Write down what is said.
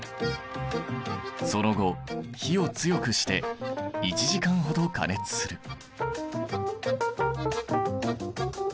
その後火を強くして１時間ほど加熱する。